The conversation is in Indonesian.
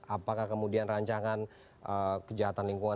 apakah kemudian rancangan kejahatan lingkungan